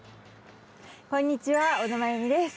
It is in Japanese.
こんにちは小野真弓です。